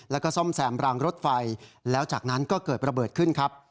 แล้วก็ซ่อมแซมรางรถไฟแล้วจากนั้นก็เกิดระเบิดขึ้นครับ